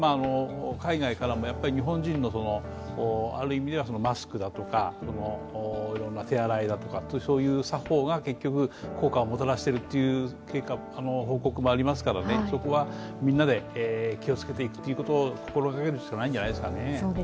海外からも日本人のある意味ではマスクだとかいろんな手洗いだとかという作法が効果をもたらしてるという報告もありますからそこはみんなで気をつけていくということを心がけるしかないんじゃないですかね。